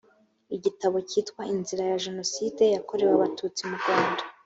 igitabo cyitwa “inzira ya jenoside yakorewe abatutsi mu rwanda”